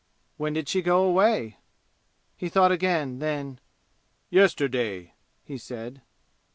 "When did she go away?" He thought again, then "Yesterday," he said.